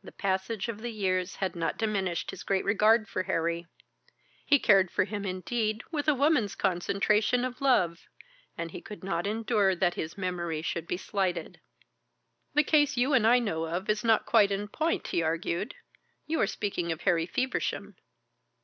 The passage of the years had not diminished his great regard for Harry; he cared for him indeed with a woman's concentration of love, and he could not endure that his memory should be slighted. "The case you and I know of is not quite in point," he argued. "You are speaking of Harry Feversham."